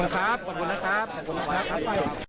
ขอบคุณครับ